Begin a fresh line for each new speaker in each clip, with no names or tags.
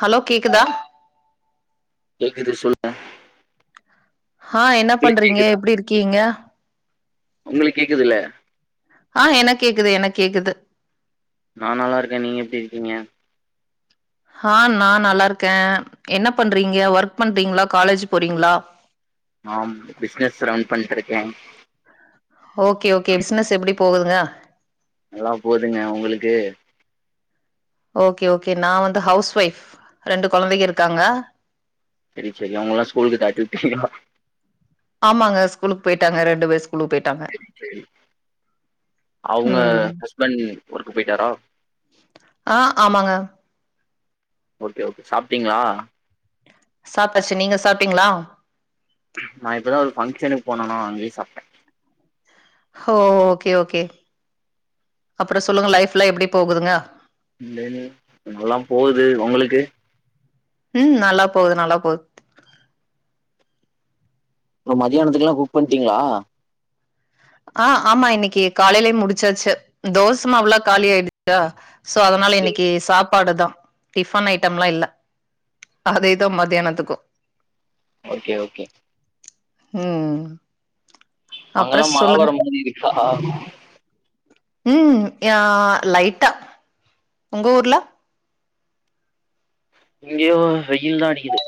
Hello கேக்குதா
கேக்குது சொல்லுக
ஆ என்ன பண்றீங்க
கேக்குதா
எப்டி இருக்கீங்க
உங்களுக்கு கேக்குது இல்ல
ஆ எனக் கேக்குது எனக் கேக்குது
நான் நல்லாருக்கே நீங்க எப்டி இருக்கீங்க
ஆ நா நல்லா இருக்கேன் என்ன பண்றீங்க ஒர்க் பண்றீங்களா காலேஜ் போறீங்களா
ஆ பிசினஸ் ரன் பண்ட்டு இருக்கேன்
ஓகே ஓகே பிசினஸ் எப்டி போகுதுங்க
நல்லா போதுங்க உங்களுக்கு
ஓகே ஓகே நா வந்து ஹவுஸ் ஒைஃப் ரெண்டு கொழந்தைங்க இருக்காங்க
சரி சரி அவங்கல்லா ஸ்கூலுக்கு தாட்டி விட்டீங்களா
ஆமாங்க ஸ்கூுக்கு போயிட்டாங்க இரண்டு பேர் ஸ்கூுக்கு போயி
சரி சரி அவங்க
ம்
ஹஸ்பண்ட் ஒர்க் போயிட்டாரா
ஆ ஆமாங்க
ஓகே ஓகே சாப்ட்டீங்களா
சாப்ட்டாச்சு நீங்க சாப்ட்டீங்களா
நா இப்போதான் ஒரு பங்க்ஷனுக்கு போனனா அங்கய சாப்ட்டேன்
ஓ ஹோ ஓகே ஓகே அப்றம் சொல்லுங்க லைஃப்லாம் எப்டி போகுதுங்க
அதுலாம் போகுது உங்களுக்கு
ம் நல்லா போகுது நல்லா போகுது
இப்ப மதியானத்துக்குல்லாம் குக் பண்ட்டீங்களா
ஆ ஆமா இன்னைக்கு காலைலயே முடிச்சாச்சு தோச மாவுல காலியிடுச்சா சோ அதனால இன்னைக்கு சாப் பாடு தா டிபன் ஐட்டம்லாம் இல்ல அதே தா மத்தியானத்துக்கும்
ஓகே ஓகே
ம் அப்றோ
அங்கல்லாம்
சொல்லுங்க
மழவர மாரி இருக்கா
ம் யான் லைட்டா உங்க ஊர்ல
இங்கயு வெயில் தா அடிக்குது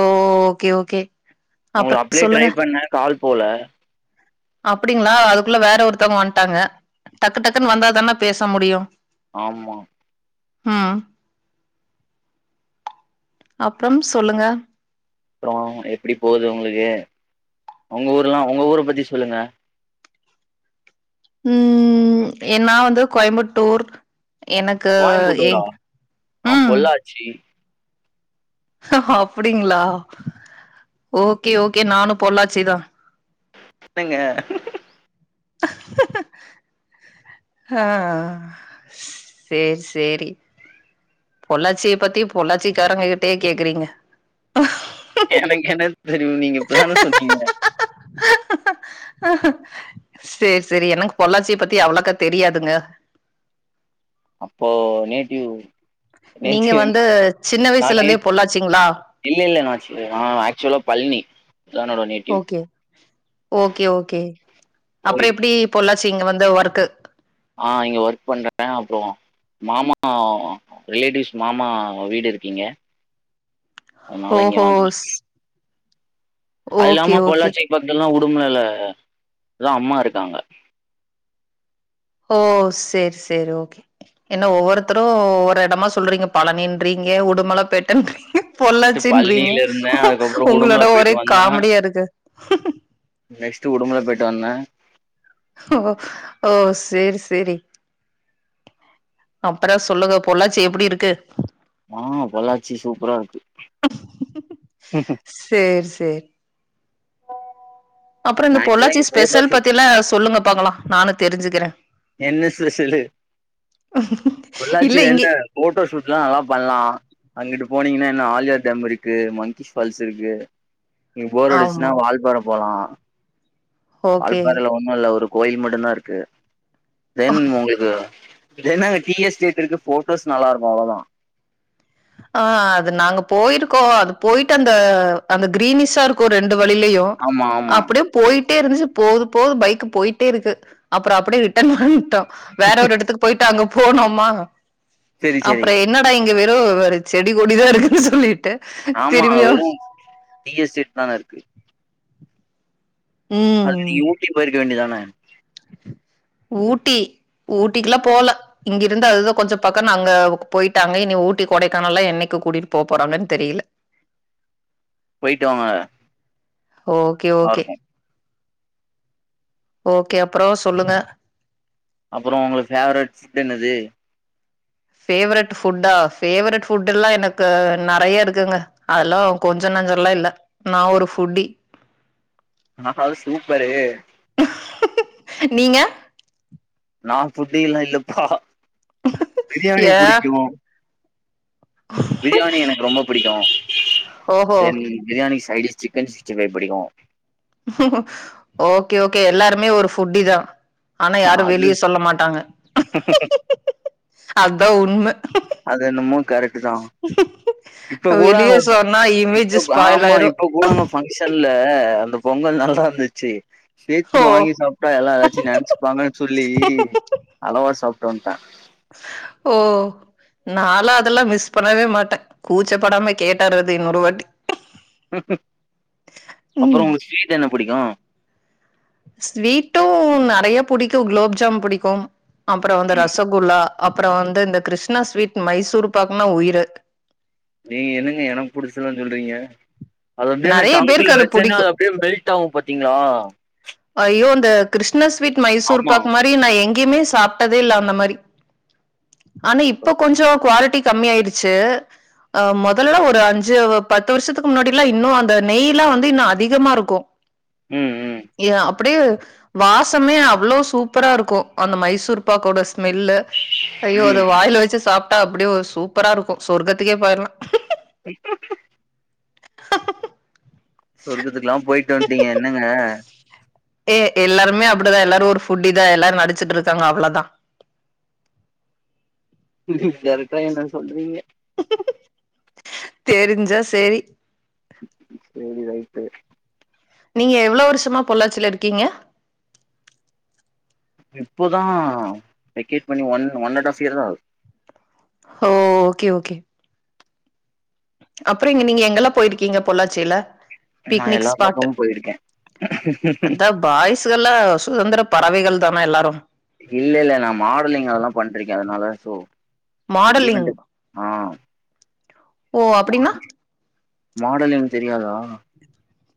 ஓ ஓகே ஓகே அப்றோ
உங்கள அப்டியே ட்ரை
சொல்லுங்க
பண்ணன் கால் போல
அப்டிங்களா அதுக்குள்ள வேற ஒருத்தவங்க வந்ட்டாங்க டக்கு டக்குன்னு வந்தா தானே பேச முடியும்
ஆமா
ம் அப்றம் சொல்லுங்க
அப்றம் எப்டி போகுது உங்களுக்கு உங்க ஊர்லா உங்க ஊர பத்தி சொல்லுங்க
ம் என் நா வந்து கோயம்பட்டூர் எனக்கு எங் ம்
சீ
ஆ அப்டிங்களா ஓகே ஓகே நானும் பொல்லாச்சிதா
என்னங்க [inaudible]
ஆ சேர் சேரி பொள்ளாச்சிய பத்தி பொள்ளாச்சிக்காரங்க கிட்டயே கேக்குறீங்க
எனக்கு என்ன தெரியூ நீங்க இப்ப தா சொன்னீங்க
சேர் செரி எனக் பொள்ளாச்சிய பத்தி அவ்ளோக்கா தெரியாதுங்க
அப்போ நேட்டிவ்
நீங்க
நேட்டிவ்
வந்து சின்ன
நா
வயசுல
நே
இருந்தே பொள்ளாச்சிங்ளா
இல்ல இல்ல நா செல்லிற் நா ஆக்சுவலா பல்னி அதா என்னோட நேட்
ஓகே ஓக்கே ஓக்கே
போய்
அப்றோ எப்டி பொள்ளாச்சி இங்க வந்து ஒர்க்கு
ஆ இங்க ஒர்க் பண்றுக்கே அப்றோ மாமா ரிலேட்டிவ்ஸ் மாமா வீடு இருக்கு இங்க அத்னால இங்க
ஓஹோ
வந்தே
ஸ்-
அது
ஓகே
இல்லாம
ஓகே
பொள்ளாச்சிக்கு பக்கத்துல தா உடுமலை அங் தா அம்மா இருக்காங்க
ஓ செர் செரி ஓகே என்ன ஒவ்வொருத்தரூ ஒவ்வொரு எடமா சொல்றீங்க பலனின்றீங்க உடுமலைப்பேட்டன்றீங்க
ஃபர்ஸ்ட்
பொள்ளாச்சின்றீங்க
பழனில இருந்தே அதுக்கப்றோ உடுமல
உங்களோட ஒரே
போயிட்டு
காமெடியா இருக்கு
நெக்ஸ்ட்டு உடுமல பேய்ட்டு வந்தே
ஓ ஓ சேர் சேரி அப்றோ சொல்லுங்க பொள்ளாச்சி எப்டி இருக்கு
ஆ பொள்ளாச்சி சூப்பரா இருக்கூ
சேர் சேரி அப்றோ இந்த
ஆக்சுவலா
பொள்ளாச்சி
இங்க போட்டோ
ஸ்பெஷல்
ஷூட்
பத்தில்லா சொல்லுங்க பாக்கலா நானூ தெரிஞ்சுக்கிறே
என்ன ஸ்பெஷலு
இல்ல
பொள்ளாச்சில
இங்க
எந்த போட்டோ ஷூட்ல்லா நல்லா பண்லா அங்குட்டு போனீங்கின்னா இன்னூ ஆலியார் டேம் இருக்கு மங்கிஷ் ஃபால்ஸ் இருக்கு இங்க போர் அடிச்சுச்சுன்னா
ஆமா
வால்பார போலா
ஓகே
வால்பாறைல ஒண்ணு இல்ல ஒரு கோயில் மட்டு தா இருக்கு தென் உங்களுக்கு எ ன்னங்க டீ எஸ்டேட் இருக்கு போட்டோஸ் நல்லா இருக்கோ அவ்ளோதா
ஆ அது நாங்க போயிருக்கோ அது போயிட்டு அந்த அந்த கிரீனிஸா இருக்கோ ரெண்டு வழிலயூ
ஆமா ஆமா
அப்டியேப் போயிட்டே இருந்துச்சு போது போது பைக்கு போயிட்டே இருக்கு அப்றோ அப்டியே ரிட்டர்ன் வன்ட்டோ வேற ஒரு இடத்துக்கு போய்ட்டு அங்க போனோமா
செரி செரி
அப்றோ என்னடா இங்க வெறூ செடி கொடிதா இருக்குது சொல்லிட்டோ
ஆமா வெறும் டீ எஸ்டேட் தான இருக்கு அதுக்கு
ம்.
நீ ஊட்டி போயிருக்க வேண்டியதான
ஊட்டி ஊட்டிக்குல்லா போவ்ல இங்கிருந்து அதுதா கொஞ்சோ பக்கம் அங்க போய்ட்டாங்க இனி ஊட்டி கொடைக்கானல்லா என்னைக்கு கூட்டிட்டு போப் போறாங்கன் தெரியல
போய்ட்டு வாங்க
ஓகே ஓகே
இருக்கு
ஓகே அப்றோ சொல்லுங்க
அப்றோ உங்களுக்கு ஃபேவரைட் ஃபுட் என்னது
ஃபேவரெட் ஃபுட்டா ஃபேவரெட் ஃபுட் எல்லாம் எனக்கு நறய இருக்குங்க அதெல்லா கொஞ்சோ நஞ்சோல்லா இல்ல நான் ஒரு ஃபுட்டி
ஆ ஆ சூப்பரூ
நீங்க
நா ஃபுட்டில்லா இல்லப்பா பிரியாணி
ஏ
பிடிக்கூ பிரியாணி எனக்கு ரொம்ப பிடிக்கூ
ஓஹோ
then biryani sides chicken sixty five பிடிக்கு
ஓகே ஓகே எல்லாருமே ஒரு ஃபுட்டி தான் ஆனா யாரு
அது
வெளியே சொல்ல மாட்டாங்க அதான் உண்ம
அது என்னமோ கரெக்ட் தான் இப்ப கூடா
வெளிய
அங்க
சொன்னா இமேஜ்
இப்பக்
ஸ்பாயில்
ஆமா
ஆயிரு
இப்ப கூடங்க ஃபங்க்ஷன்ல அந்த பொங்கல் நல்லா இருந்துச்சு சேத்தி
ஓ
வாங்கி சாப்ட்டா எல்லா ஏதாச்சு நினைச்சுப்பாங்கன்னு சொல்லி அளவா சாப்ட்டு வந்ட்டன்
ஓ நாலா அதெல்லாம் மிஸ் பண்ணவே மாட்டேன் கூச்சப்படாம கேட்டறது இன்னொரு வாட்டி ம்
அப்றம் உங்க ஸ்வீட் என்ன பிடிக்கு
ஸ்வீட்டும் நெறைய புடிக்கு குலாப்ஜாமுன் புடிக்கும் அப்றம் வந்து
ம்
ரசகுல்லா அப்றம் வந்து இந்த கிருஷ்ணா ஸ்வீட் மைசூர் பாக்குனா உயிரு
நீங்க என்னங்க எனக்கு புடிச்சதலா சொல்றீங்க அத அப்டியே அந்த
நெறைய பேருக்கு
டங்க்குல
அது
வச்சன்னே அத
புடிக்கும்
அப்டே மெல்டாகு பாத்தீங்ளா
ஐய்யோ இந்த கிருஷ்ண ஸ்வீட் மைசூர்
ஆமா
பா்க் மாரி ரி நா எங்கேயுமே சாப்ட்டதே இல்ல அந்த மாரி ஆனா இப்ப கொஞ்சம் குவாலிட்டி கம்மியாயிருச்சு அ முதல்ல ஒரு அஞ்சு பத்து வருஷத்துக்கு முன்னாடி எல்லா இன்னும் அந்த நெய்ல்லாம் வந்து இன்னும் அதிகமா இருக்கு
ம் ம்
ஏ அப்டியே வாசமே அவ்ளோ சூப்பரா இருக்கு அந்த மைசூர் பாக்கோட ஸ்மெல்லு ஐய்யோ அத வாயில வச்சு சாப்ட்டா அப்டியே சூப்பரா இருக்கு சொர்க்கத்துக்கே போயிர்லா
சொர்க்கத்துக்குல்லா போயிட்டு வந்துட்டீங்க என்னங்க
ஏ எல்லாருமே அப்டிதான் எல்லாரு ஒரு ஃபுட்டி இதான் எல்லாரு நடிச்சிட்டு இருக்காங்க அவ்ளோதான்
கரெக்டா என்ன சொல்றீங்க
தெரிஞ்சா சேரி
சேரி ரைட்டு
நீங்க எவ்ளோ வருஷமா பொள்ளாச்சியில இருக்கீங்க
இப்போதா வெக்கேட் பண்ணி one one and half year தான் ஆகுது
ஓ ஓகே ஓகே அப்றோ இங்க நீங்க எங்கெல்லா போயிருக்கீங்க பொள்ளாச்சியில
நா எல்லா பக்கமு போயிருக்கே
பாய்ஸ்கள்ல சுதந்திர பறவைகள் தான எல்லாரு
இல்ல இல்ல நா மாடலிங் அதல்லா பண்ணிட்டுருக்கேன் அதனால சோ
மாடலிங்
ஈவென்ட் ஆ
ஓ அப்டின்னா
மாடலிங் தெரியாதா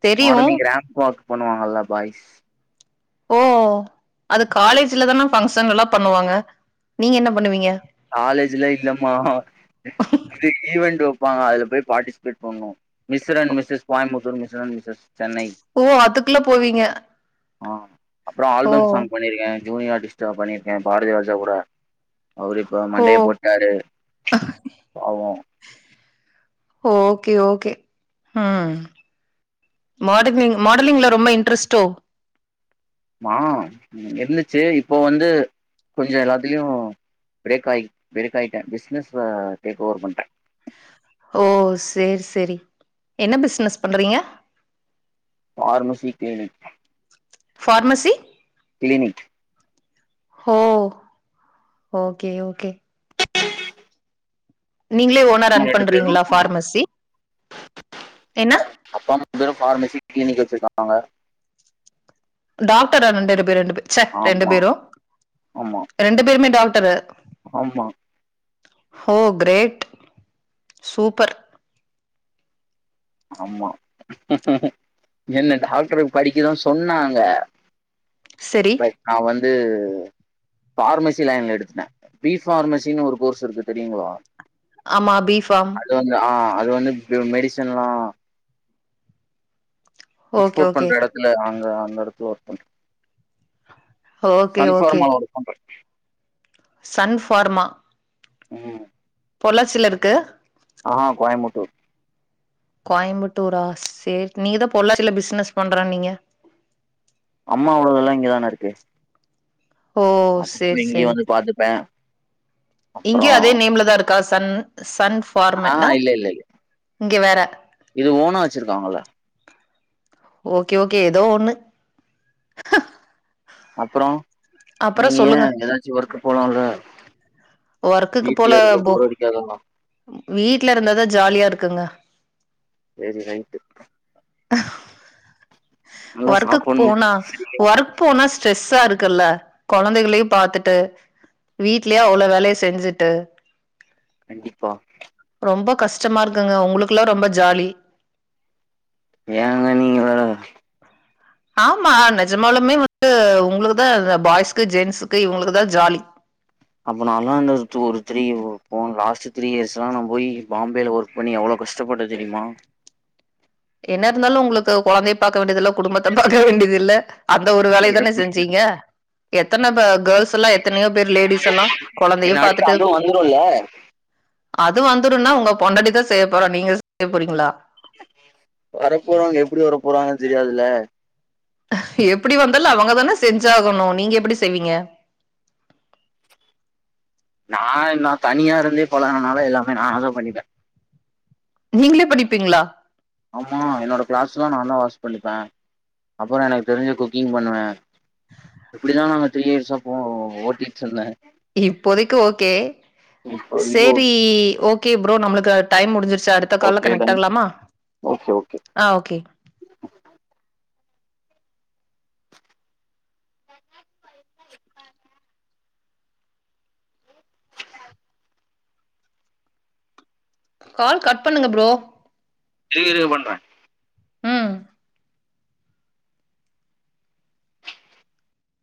தெரியு
மாடலிங் ரேம்பு வாக் பண்ணுவாங்கல்லா பாய்ஸ்
ஓ அது காலேஜ்லதானா ஃபங்க்ஷன் எல்லா பண்ணுவாங்க நீங்க என்ன பண்ணுவீங்க
காலேஜ்ல இல்லமா இது ஈய்வென்ட் வைப்பாங்க அதுல போயி பார்டிசிபேட் பண்ணுவோ mister and Mrs Coimbatore mister and Mrs Chennai
ஓ அதுக்குள்ள போவீங்க
ஆ அப்றோ
ஓ
ஆல்பம் சாங் பண்ணிருக்கே ஜூனியர் ஆர்டிஸ்டா பண்ணியிருக்கே பாரதிவாஜா கூட அவரு இப்போ
ஓ
மண்டய போட்டாரு பாவோ
ஓகே ஓகே ம் மாடலிங் மாடலிங்ல ரொம்ப இன்ட்ரஸ்ட்டோ
ஆ இருந்துச்சு இப்போ வந்து கொஞ்சோ எல்லாத்லயு ப்ரேக் ஆ பிரிக் ஆயிட்டே பிசினஸ்ல டேக் ஓவர் பண்ட
ஓ செர் செரி என்ன பிஸ்னஸ் பண்றீங்க
ஃபார்மசி க்ளினிக்
ஃபார்மசி
க்ளினிக்
ஓ ஓகே ஓகே
[inaudible]
நீங்களே ஓனா ரன்
ரெண்டு பேரு
பண்றீங்ளா ஃபார்மசி
[inaudible]
என்ன
அப்பா அம்மா வந்து ஃபார்மசி கிளினிக் வச்சிருக்காங்க
டாக்டரா ரெண்டறு ரெண்டு பேரு ரெண்டு பே ரெண்டு
ஆமா
பேரு
ஆமா
ரெண்டு பேருமே டாக்டரு
ஆமா
ஓ கிரேட் சூப்பர்
ஆமா என்ன டாக்டர்க் படிக்கதா சொன்னாங்க
செரி
நா வந்து ஃபார்மசி லைன்ல எடுத்துட்ட பி பார்மசின்னு ஒரு கோர்ஸ் இருக்கு தெரியுங்ளா
ஆமா பி ஃபாம்
அது வந்து ஆ அது வந்து மெடிசன்லா
ஓகே
எக்ஸ்போர்ட்
ஓகே
பண்ற இடத்துல அங்க அந்த இடத்துல ஒர்க் பண்ற
ஓகே
சன்
ஓகே
ஃபார்ம்ல ஒர்க் பண்ற
சன் ஃபார்மா
ம்
பொள்ளாச்சில இருக்கு
ஆ கோயம்புத்தூர்
கோயம்புத்தூரா செரி நீங்க தா பொள்ளாச்சில பிசினஸ் பண்றன் நீங்க
அம்மா அவுளதெல்லா இங்கதான இருக்கு
ஓ
அப்
சேரி
இங்கேயு
சேரி
வந்து பார்த்துப்பே
இங்கேயு அதே நேம்ல தா இருக்கா சன் சன்
ஆஹா
ஃபார்மட்ன
இல்ல இல்ல இல்ல
இங்க வேற
இது ஓனா வச்சிருக்காங்கள
ஓகே ஓகே ஏதோ ஒண்ணு
அப்புறோ
அப்புறோ
நீங்க ஏ
சொல்லுங்க
ஏதாச்சு ஒர்க்கு போலால
ஒர்க்குக்கு
வீட்ல
போல
இருக்க
போ
போர் அடிக்காதல்லா
வீட்ல இருந்தாதா ஜாலியா இருக்குங்க
செரி ரைட்டு
[inaudible]
நல்லா
ஒர்க்குக்
சாப்புட்ணும்
போனா ஒர்க் போனா ஸ்ட்ரெஸ்ஸா இருக்குல்ல கொழந்தைகளையு பாத்துட்டு வீட்லே அவ்ளோ வேலைய செஞ்சுட்டு
கண்டிப்பா
ரொம்ப கஷ்டமா இருக்குங்க உங்களுக்கல்லா ரொம்ப ஜாலி
ஏங்க நீங்க வேற
ஆமா நெஜமாலமே வந்து உங்களுக்கு தா பாய்ஸ்க்கு ஜென்ஸ்க்கு இவுங்களுக்கு தா ஜாலி
அப்போ நாங்க அந்த ஒரு த்ரீ போன் லாஸ்ட் த்ரீ இயர்ஸ்ல்லா நா போய் பாம்பேல ஒர்க் அப்போ நீ அவ்ளோ கஷ்டப்பட்ட தெரியுமா
என்ன இருந்தாலு உங்களுக்கு குழந்தை பாக்க வேண்டியதில்ல குடும்பத்த பாக்க வேண்டியதில்ல அந்த ஒரு வேலைய தானே செஞ்சீங்க எத்தன பே கேர்ள்ஸ் எல்லா எத்தனையோ பேர் லேடிஸ் எல்லா
என்ன
கொழந்தையு
அடுத்து
பாத்துட்டு
அதுவும் வந்துரும்ல
அது வந்துடும்னா உங்க பொண்டடி தா செய்ய போறோ நீங்க செய்ய போறீங்களா
வர போறவங்க எப்டி வர போறாங்கன்னு தெரியாதுல
எப்டி வந்தாலு அவங்கதானே செஞ்சாகணு நீங்க எப்டி செய்வீங்க
நா என தனியா இருந்தே பழகுனதனால எல்லாமே நா அத பண்ணிட்டே
நீங்களே பண்ணிப்பிங்களா
ஆமா என்னோடய கிளாத்ஸ்லா நா தா வாஷ் பண்ணிப்பே அப்றோ எனக்கு தெரிஞ்ச குக்கிங் பண்ணுவே இப்படிதா நாங்க த்ரீ இயர்ஸா போ ஓட்டிட்டு இருந்தே
இப்போதைக்கு ஓகே
இப்போ
செரி ஓகே ப்ரோ நம்மளுக்கு டைம் முடிஞ்சிருச்சு அடு அடுத்த கால்ல
ஓகே
கனெக்ட்
டன்
ஆகலாமா
ஓகே ஓகே
ஆ ஓகே கால் கட் பண்ணுங்க ப்ரோ
இருங்க இருங்க பண்றே
ம்